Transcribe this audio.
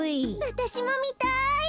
わたしもみたい。